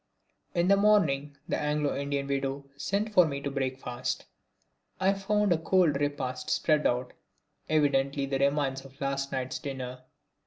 In the morning the Anglo Indian widow sent for me to breakfast. I found a cold repast spread out, evidently the remnants of last night's dinner.